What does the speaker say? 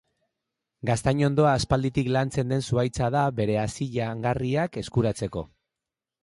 Gaztainondoa aspalditik lantzen den zuhaitza da bere hazi jangarriak eskuratzeko.